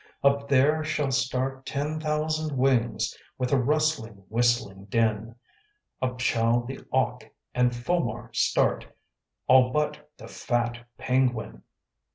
Up there shall start ten thousand wings With a rustling, whistling din; Up shall the auk and fulmar start, All but the fat penguin.